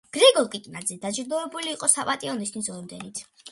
გრიგოლ კიკნაძე დაჯილდოვებული იყო საპატიო ნიშნის ორდენით.